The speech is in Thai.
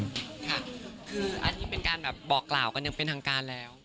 ค่ะคืออันนี้เป็นการแบบบอกกล่าวกันอย่างเป็นทางการแล้ว